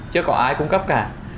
chưa có ai cung cấp cả